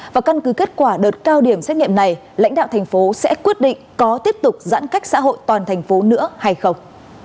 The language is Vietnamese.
và căn cứ kết quả đợt cao điểm xét nghiệm này lãnh đạo thành phố sẽ quyết định có tiếp tục giãn cách xã hội toàn thành phố nữa hay không